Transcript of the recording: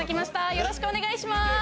よろしくお願いします！